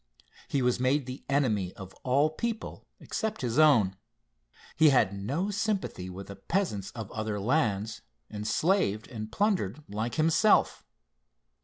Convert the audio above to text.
He was made the enemy of all people except his own. He had no sympathy with the peasants of other lands, enslaved and plundered like himself.